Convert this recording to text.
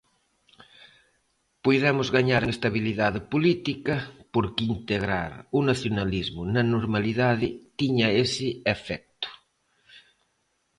Puidemos gañar en estabilidade política, porque integrar o nacionalismo na normalidade tiña ese efecto.